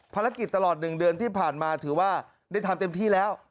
ภารกิจตลอด๑เดือนที่ผ่านมาถือว่าได้ทำเต็มที่แล้ว